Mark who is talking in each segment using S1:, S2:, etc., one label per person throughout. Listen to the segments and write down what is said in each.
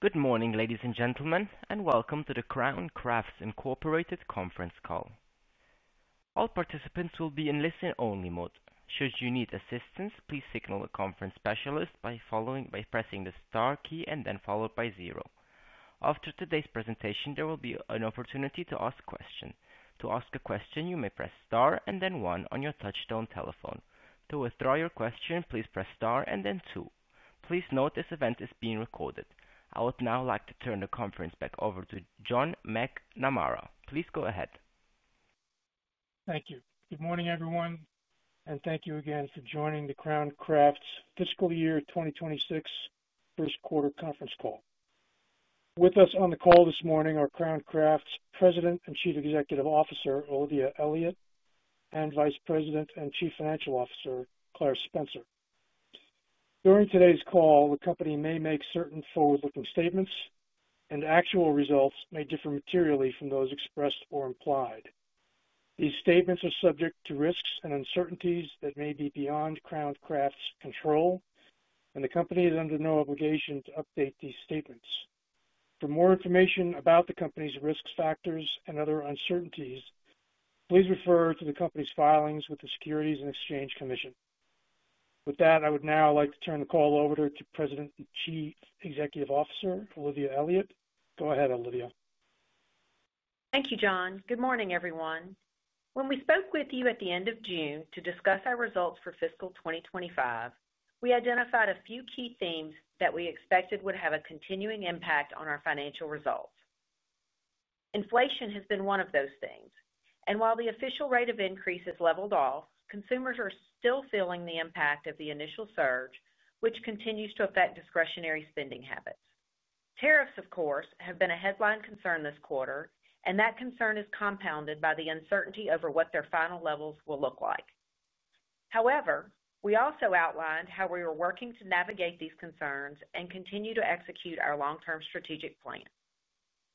S1: Good morning, ladies and gentlemen, and welcome to the Crown Crafts, Inc. Conference Call. All participants will be in listen-only mode. Should you need assistance, please signal a conference specialist by pressing the star key followed by zero. After today's presentation, there will be an opportunity to ask questions. To ask a question, you may press star and then one on your touch-tone telephone. To withdraw your question, please press star and then two. Please note this event is being recorded. I would now like to turn the conference back over to John McNamara. Please go ahead.
S2: Thank you. Good morning, everyone, and thank you again for joining the Crown Crafts fiscal year 2026 first quarter conference call. With us on the call this morning are Crown Crafts President and Chief Executive Officer Olivia Elliott and Vice President and Chief Financial Officer Claire Spencer. During today's call, the company may make certain forward-looking statements, and actual results may differ materially from those expressed or implied. These statements are subject to risks and uncertainties that may be beyond Crown Crafts' control, and the company is under no obligation to update these statements. For more information about the company's risk factors and other uncertainties, please refer to the company's filings with the Securities and Exchange Commission. With that, I would now like to turn the call over to President and Chief Executive Officer Olivia Elliott. Go ahead, Olivia.
S3: Thank you, John. Good morning, everyone. When we spoke with you at the end of June to discuss our results for fiscal 2025, we identified a few key themes that we expected would have a continuing impact on our financial results. Inflation has been one of those things, and while the official rate of increase has leveled off, consumers are still feeling the impact of the initial surge, which continues to affect discretionary spending habits. Tariffs, of course, have been a headline concern this quarter, and that concern is compounded by the uncertainty over what their final levels will look like. However, we also outlined how we were working to navigate these concerns and continue to execute our long-term strategic plan.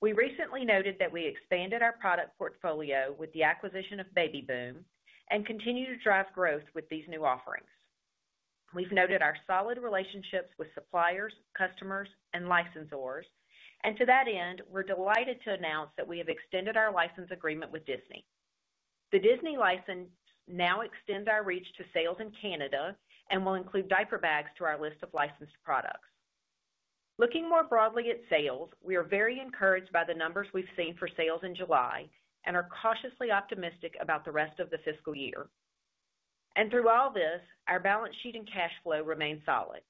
S3: We recently noted that we expanded our product portfolio with the acquisition of Baby Boom and continue to drive growth with these new offerings. We've noted our solid relationships with suppliers, customers, and licensors, and to that end, we're delighted to announce that we have extended our license agreement with Disney. The Disney license now extends our reach to sales in Canada and will include diaper bags to our list of licensed products. Looking more broadly at sales, we are very encouraged by the numbers we've seen for sales in July and are cautiously optimistic about the rest of the fiscal year. Through all this, our balance sheet and cash flow remain solid.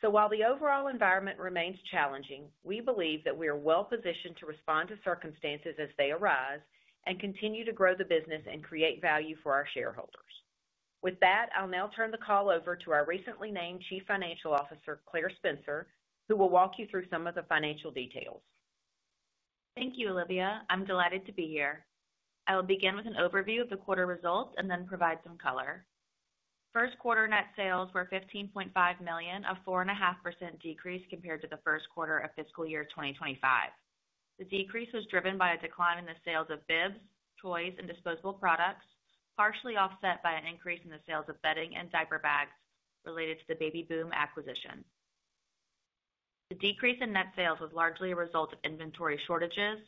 S3: While the overall environment remains challenging, we believe that we are well-positioned to respond to circumstances as they arise and continue to grow the business and create value for our shareholders. With that, I'll now turn the call over to our recently named Chief Financial Officer Claire Spencer, who will walk you through some of the financial details.
S4: Thank you, Olivia. I'm delighted to be here. I will begin with an overview of the quarter results and then provide some color. First quarter net sales were $15.5 million, a 4.5% decrease compared to the first quarter of fiscal year 2025. The decrease was driven by a decline in the sales of bibs, toys, and disposable products, partially offset by an increase in the sales of bedding and diaper bags related to the Baby Boom acquisition. The decrease in net sales was largely a result of inventory shortages,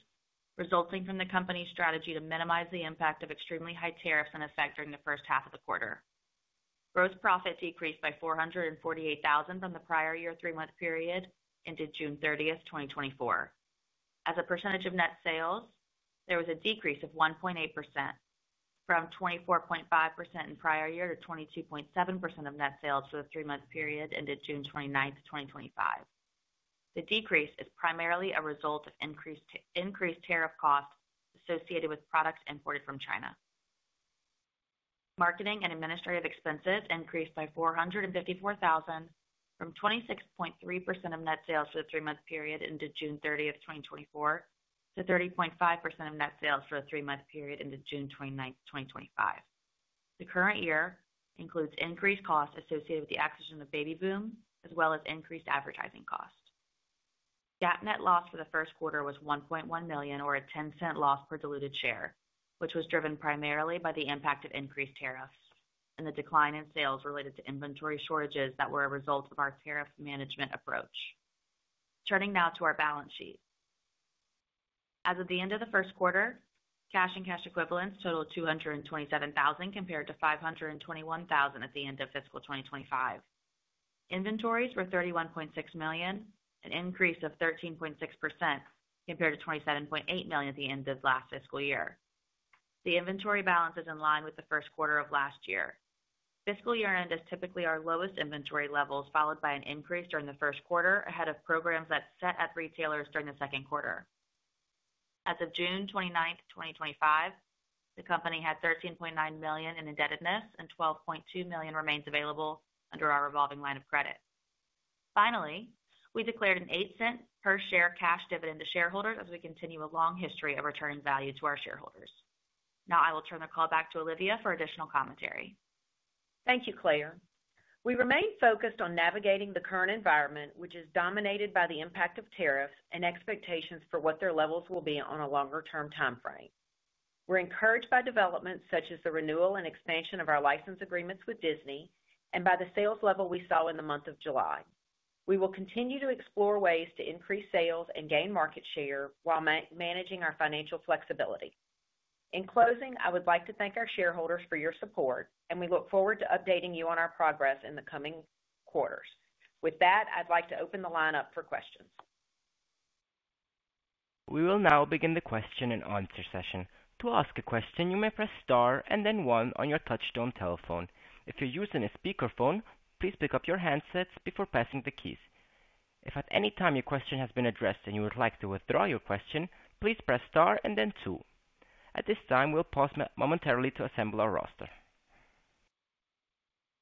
S4: resulting from the company's strategy to minimize the impact of extremely high tariffs in effect during the first half of the quarter. Gross profit decreased by $448,000 from the prior year three-month period ended June 30, 2024. As a percentage of net sales, there was a decrease of 1.8%, from 24.5% in prior year to 22.7% of net sales for the three-month period ended June 29, 2025. The decrease is primarily a result of increased tariff costs associated with products imported from China. Marketing and administrative expenses increased by $454,000, from 26.3% of net sales for the three-month period ended June 30, 2024, to 30.5% of net sales for the three-month period ended June 29, 2025. The current year includes increased costs associated with the acquisition of Baby Boom, as well as increased advertising costs. GAAP net loss for the first quarter was $1.1 million, or a $0.10 loss per diluted share, which was driven primarily by the impact of increased tariffs and the decline in sales related to inventory shortages that were a result of our tariff management approach. Turning now to our balance sheet. As of the end of the first quarter, cash and cash equivalents totaled $227,000 compared to $521,000 at the end of fiscal 2025. Inventories were $31.6 million, an increase of 13.6% compared to $27.8 million at the end of last fiscal year. The inventory balance is in line with the first quarter of last year. Fiscal year-end is typically our lowest inventory levels, followed by an increase during the first quarter ahead of programs that set at retailers during the second quarter. As of June 29, 2025, the company had $13.9 million in indebtedness and $12.2 million remains available under our revolving credit line. Finally, we declared an $0.08 per share cash dividend to shareholders as we continue a long history of returning value to our shareholders. Now I will turn the call back to Olivia for additional commentary.
S3: Thank you, Claire. We remain focused on navigating the current environment, which is dominated by the impact of tariffs and expectations for what their levels will be on a longer-term timeframe. We're encouraged by developments such as the renewal and expansion of our license agreements with Disney, and by the sales level we saw in the month of July. We will continue to explore ways to increase sales and gain market share while managing our financial flexibility. In closing, I would like to thank our shareholders for your support, and we look forward to updating you on our progress in the coming quarters. With that, I'd like to open the line up for questions.
S1: We will now begin the question and answer session. To ask a question, you may press star and then one on your touch-tone telephone. If you're using a speakerphone, please pick up your handset before pressing the keys. If at any time your question has been addressed and you would like to withdraw your question, please press star and then two. At this time, we'll pause momentarily to assemble our roster.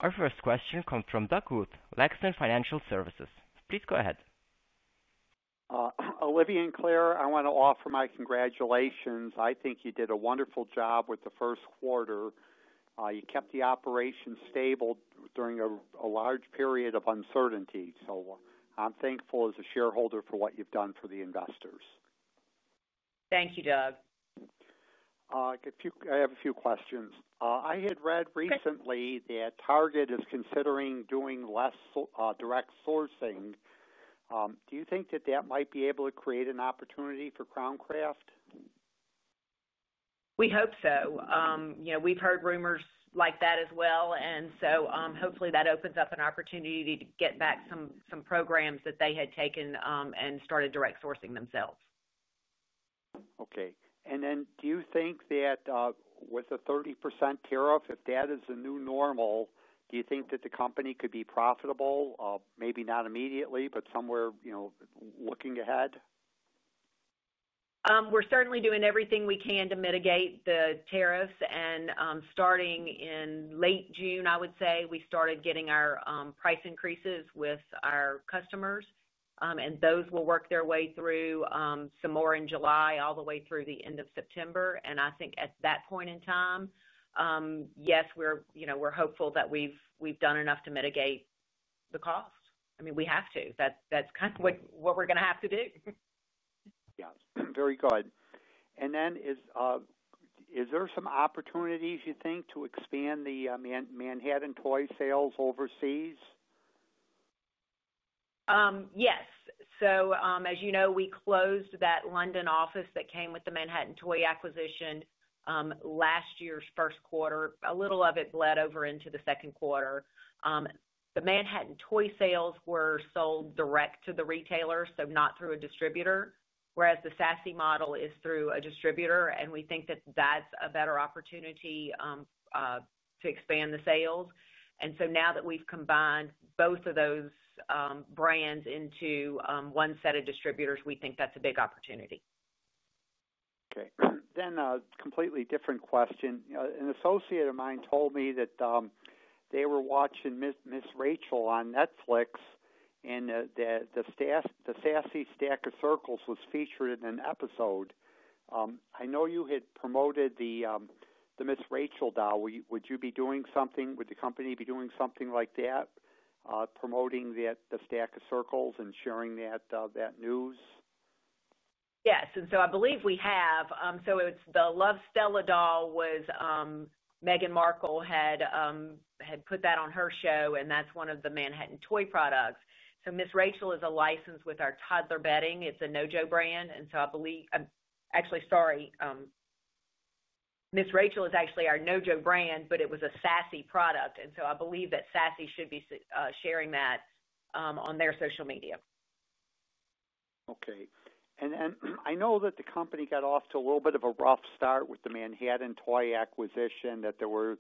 S1: Our first question comes from Doug Ruth, Lenox Financial Services. Please go ahead.
S5: Olivia and Claire, I want to offer my congratulations. I think you did a wonderful job with the first quarter. You kept the operation stable during a large period of uncertainty. I'm thankful as a shareholder for what you've done for the investors.
S3: Thank you, Doug.
S5: I have a few questions. I had read recently that Target is considering doing less direct sourcing. Do you think that that might be able to create an opportunity for Crown Crafts?
S3: We hope so. We've heard rumors like that as well, so hopefully that opens up an opportunity to get back some programs that they had taken and started direct sourcing themselves.
S5: Okay. Do you think that with a 30% tariff, if that is the new normal, the company could be profitable, maybe not immediately, but somewhere, you know, looking ahead?
S3: We're certainly doing everything we can to mitigate the tariffs, and starting in late June, I would say we started getting our price increases with our customers, and those will work their way through some more in July, all the way through the end of September. I think at that point in time, yes, we're hopeful that we've done enough to mitigate the cost. I mean, we have to. That's kind of what we're going to have to do.
S5: Very good. Is there some opportunities, you think, to expand the Manhattan Toy sales overseas?
S3: Yes. As you know, we closed that London office that came with the Manhattan Toy acquisition last year's first quarter. A little of it bled over into the second quarter. The Manhattan Toy sales were sold direct to the retailer, not through a distributor, whereas the Sassy model is through a distributor, and we think that's a better opportunity to expand the sales. Now that we've combined both of those brands into one set of distributors, we think that's a big opportunity.
S5: Okay. A completely different question. An associate of mine told me that they were watching Miss Rachel on Netflix, and the Sassy Stack of Circles was featured in an episode. I know you had promoted the Miss Rachel doll. Would you be doing something? Would the company be doing something like that, promoting the Stack of Circles and sharing that news?
S3: Yes. I believe we have. It's the Love, Stella doll. Meghan Markle had put that on her show, and that's one of the Manhattan Toy products. Miss Rachel is a license with our toddler bedding. It's a NoJo brand. I believe, I'm actually sorry, Miss Rachel is actually our NoJo brand, but it was a Sassy product. I believe that Sassy should be sharing that on their social media.
S5: Okay. I know that the company got off to a little bit of a rough start with the Manhattan Toy acquisition, that there were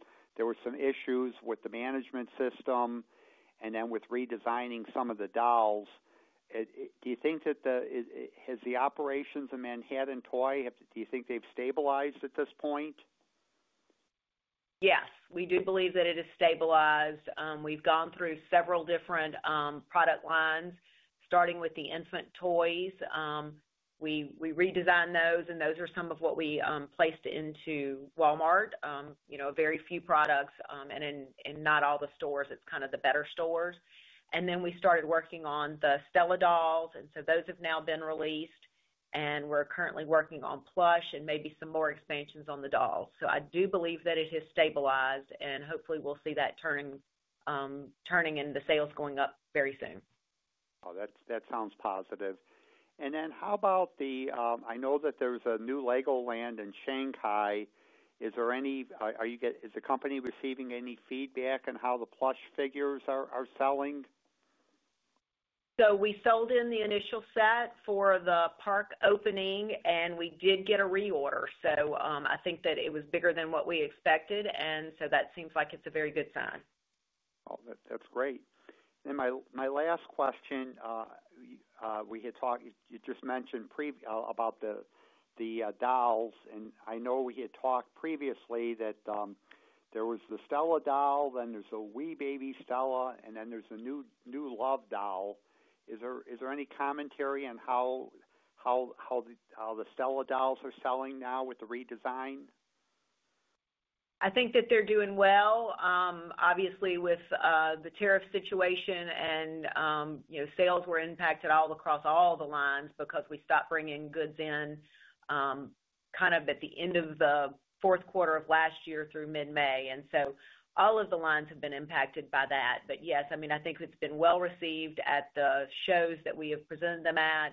S5: some issues with the management system and then with redesigning some of the dolls. Do you think that the, has the operations of Manhattan Toy, do you think they've stabilized at this point?
S3: Yes, we do believe that it has stabilized. We've gone through several different product lines, starting with the infant toys. We redesigned those, and those are some of what we placed into Walmart, you know, very few products, and in not all the stores, it's kind of the better stores. We started working on the Stella dolls, and those have now been released, and we're currently working on plush and maybe some more expansions on the dolls. I do believe that it has stabilized, and hopefully we'll see that turning in the sales going up very soon.
S5: That sounds positive. How about the, I know that there's a new Legoland in Shanghai. Is the company receiving any feedback on how the plush figures are selling?
S3: We sold in the initial set for the park opening, and we did get a reorder. I think that it was bigger than what we expected, and that seems like it's a very good sign.
S5: Oh, that's great. My last question, you just mentioned about the dolls, and I know we had talked previously that there was the Stella doll, then there's a Wee Baby Stella, and then there's a new Love doll. Is there any commentary on how the Stella dolls are selling now with the redesign?
S3: I think that they're doing well. Obviously, with the tariff situation, sales were impacted all across all the lines because we stopped bringing goods in at the end of the fourth quarter of last year through mid-May. All of the lines have been impacted by that. Yes, I mean, I think it's been well received at the shows that we have presented them at,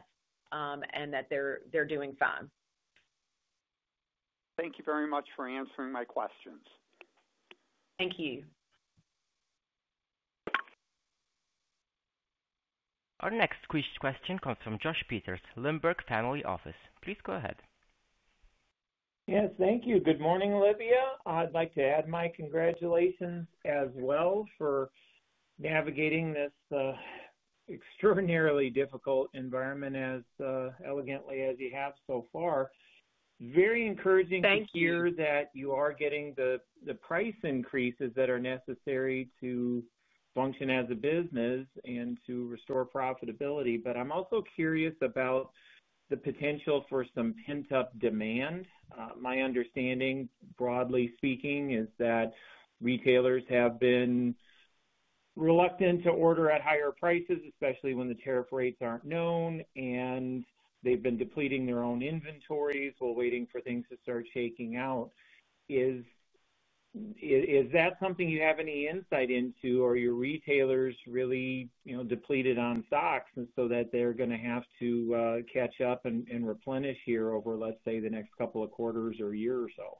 S3: and that they're doing fine.
S5: Thank you very much for answering my questions.
S3: Thank you.
S1: Our next question comes from Josh Peters, Lindberg Family Office. Please go ahead.
S6: Yes, thank you. Good morning, Olivia. I'd like to add my congratulations as well for navigating this extraordinarily difficult environment as elegantly as you have so far. It's a very encouraging year
S3: Thank you.
S6: that you are getting the price increases that are necessary to function as a business and to restore profitability. I'm also curious about the potential for some pent-up demand. My understanding, broadly speaking, is that retailers have been reluctant to order at higher prices, especially when the tariff rates aren't known, and they've been depleting their own inventories while waiting for things to start shaking out. Is that something you have any insight into, or are your retailers really depleted on stocks so that they're going to have to catch up and replenish here over, let's say, the next couple of quarters or a year or so?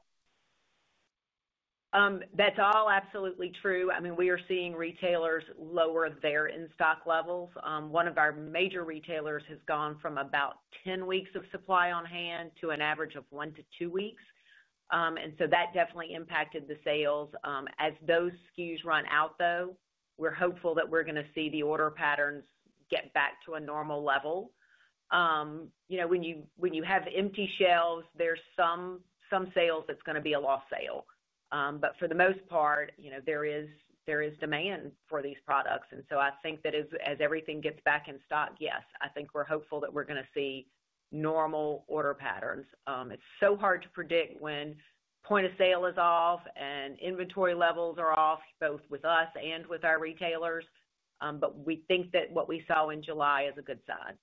S3: That's all absolutely true. I mean, we are seeing retailers lower their in-stock levels. One of our major retailers has gone from about 10 weeks of supply on hand to an average of one to two weeks. That definitely impacted the sales. As those SKUs run out, we're hopeful that we're going to see the order patterns get back to a normal level. You know, when you have empty shelves, there's some sales that's going to be a lost sale. For the most part, you know, there is demand for these products. I think that as everything gets back in stock, yes, I think we're hopeful that we're going to see normal order patterns. It's so hard to predict when point of sale is off and inventory levels are off, both with us and with our retailers. We think that what we saw in July is a good sign.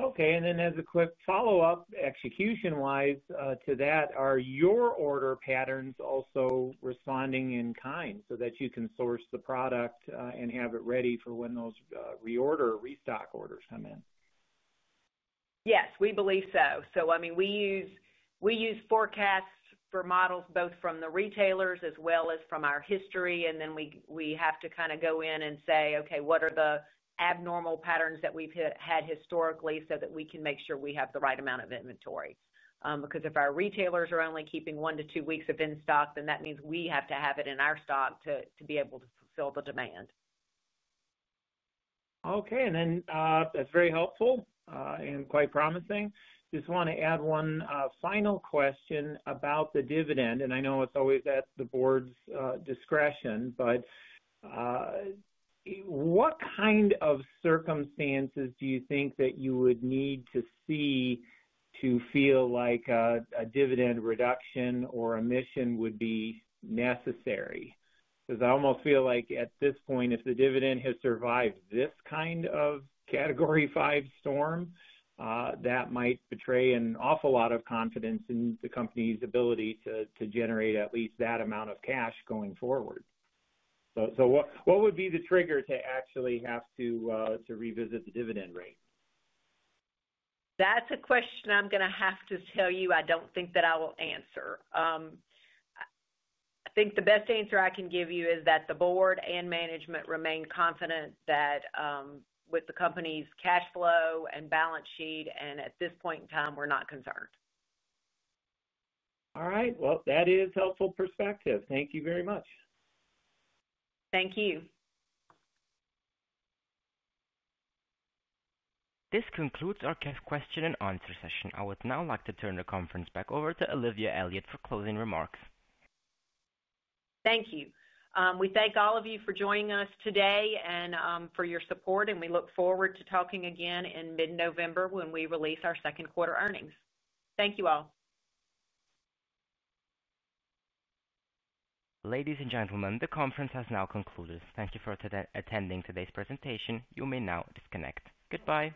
S6: Okay. As a quick follow-up, execution-wise to that, are your order patterns also responding in kind so that you can source the product and have it ready for when those reorder or restock orders come in?
S3: Yes, we believe so. I mean, we use forecasts for models both from the retailers as well as from our history. We have to kind of go in and say, "Okay, what are the abnormal patterns that we've had historically so that we can make sure we have the right amount of inventory?" Because if our retailers are only keeping one to two weeks of in-stock, that means we have to have it in our stock to be able to fulfill the demand.
S6: Okay. That's very helpful and quite promising. I just want to add one final question about the dividend. I know it's always at the Board's discretion, but what kind of circumstances do you think that you would need to see to feel like a dividend reduction or omission would be necessary? I almost feel like at this point, if the dividend has survived this kind of Category 5 storm, that might betray an awful lot of confidence in the company's ability to generate at least that amount of cash going forward. What would be the trigger to actually have to revisit the dividend rate?
S3: That's a question I'm going to have to tell you I don't think that I will answer. I think the best answer I can give you is that the Board and management remain confident that with the company's cash flow and balance sheet, at this point in time, we're not concerned.
S6: All right. That is a helpful perspective. Thank you very much.
S3: Thank you.
S1: This concludes our question and answer session. I would now like to turn the conference back over to Olivia Elliott for closing remarks.
S3: Thank you. We thank all of you for joining us today and for your support, and we look forward to talking again in mid-November when we release our second quarter earnings. Thank you all.
S1: Ladies and gentlemen, the conference has now concluded. Thank you for attending today's presentation. You may now disconnect. Goodbye.